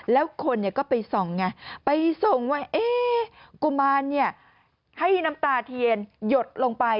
แล้วคนเนี่ยก็ไปส่องไงไปส่งให้น้ำตาเทียนหยดลงไป